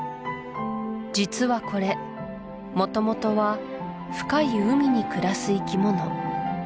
実はこれもともとは深い海に暮らす生き物